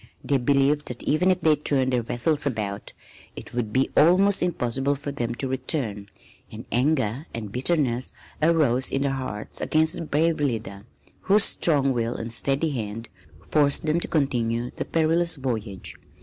They believed that even if they turned their vessels about it would be almost impossible for them to return, and anger and bitterness arose in their hearts against their brave leader whose strong will and steady hand forced them to continue the perilous voyage.